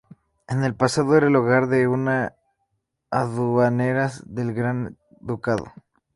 En el pasado, era el hogar de una aduaneras del Gran Ducado.